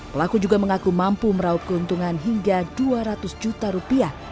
pelaku juga mengaku mampu meraup keuntungan hingga dua ratus juta rupiah